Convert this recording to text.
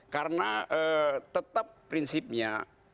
karena tetap prinsipnya